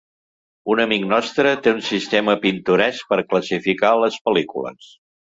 Un amic nostre té un sistema pintoresc per classificar les pel·lícules.